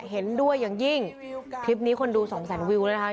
เห็นด้วยอย่างยิ่งคลิปนี้คนดูสองแสนวิวแล้วนะคะ